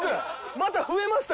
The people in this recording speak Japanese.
また増えました